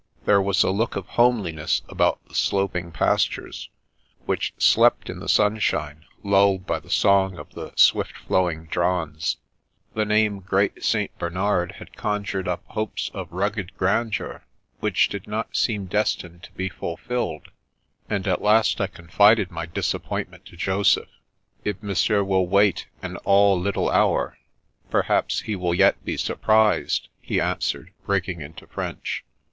There was a look of homeliness about the sloping pastures, which slept in the sunshine, lulled by the song of the swift flowing Dranse. 98 The Princess Passes The name " Great St. Bernard " had conjured up hopes of rugged grandeur, which did not seem des tined to be fulfilled, and at last I confided my dis appointment to Joseph. " If Monsieur will wait an all little hour, perhaps he will yet be surprised," he answered, breaking into French.